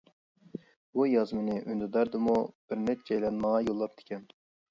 بۇ يازمىنى ئۈندىداردىمۇ بىر نەچچەيلەن ماڭا يوللاپتىكەن.